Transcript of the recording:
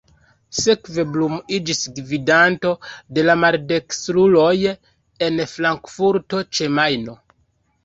Sekve Blum iĝis gvidanto de la maldekstruloj en Frankfurto ĉe Majno.